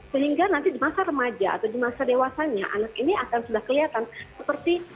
sehingga nanti di masa remaja atau di masa dewasanya anak ini akan sudah kelihatan seperti